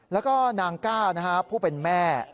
แล้วก็นางก้านะฮะผู้เป็นแม่